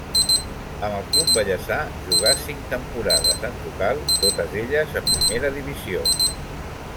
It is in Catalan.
Amb el club vallesà jugà cinc temporades en total, totes elles a primera divisió.